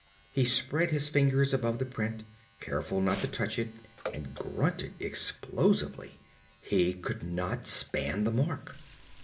He spread his fingers above the print, careful not to touch it, and grunted explosively. He could not span the mark.